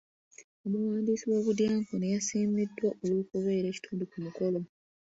Omuwandiisi w'obudyankoni yasiimiddwa olw'okubeera ekitundu ku mukolo.